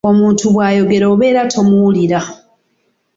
Omuntu bw’ayogera obeera tomuwulira.